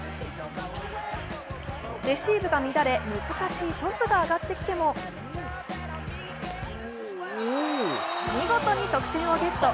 レシーブが乱れ、難しいトスが上がってきても、見事に得点をゲット。